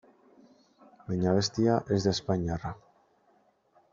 Baina abestia ez da espainiarra.